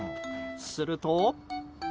すると。